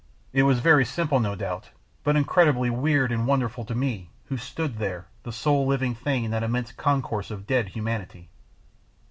It was very simple, no doubt, but incredibly weird and wonderful to me who stood, the sole living thing in that immense concourse of dead humanity.